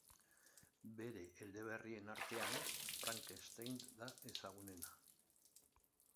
Bere eleberrien artean, Frankenstein da ezagunena.